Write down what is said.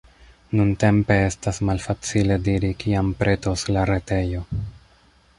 Nuntempe, estas malfacile diri kiam pretos la retejo.